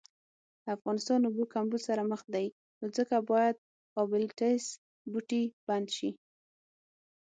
افغانستان اوبو کمبود سره مخ دي نو ځکه باید ابلیټس بوټی بند شي